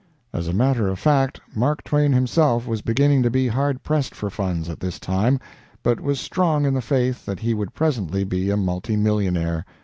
As a matter of fact, Mark Twain himself was beginning to be hard pressed for funds at this time, but was strong in the faith that he would presently be a multi millionaire.